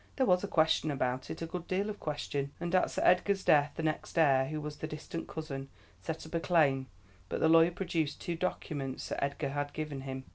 "There was a question about it a good deal of question; and at Sir Edgar's death the next heir, who was a distant cousin, set up a claim, but the lawyer produced two documents Sir Edgar had given him.